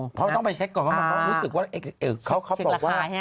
เขาต้องไปเช็คก่อนเขาบอกว่า